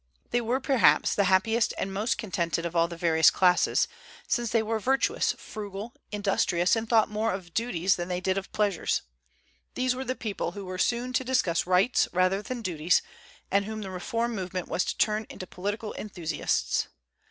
They were, perhaps, the happiest and most contented of all the various classes, since they were virtuous, frugal, industrious, and thought more of duties than they did of pleasures. These were the people who were soon to discuss rights rather than duties, and whom the reform movement was to turn into political enthusiasts.